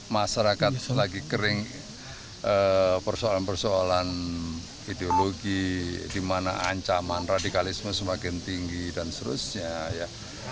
masyarakat lagi kering persoalan persoalan ideologi di mana ancaman radikalisme semakin tinggi dan seterusnya ya